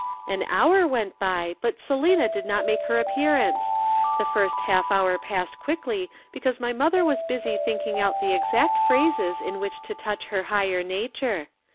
"An hour went by, but Selina did not make her appearance. The first half hour passed quickly because my mother was busy thinking out the exact phrases in which to touch her higher nature.